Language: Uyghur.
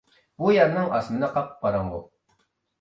بۇ يەرنىڭ ئاسمىنى قاپقاراڭغۇ.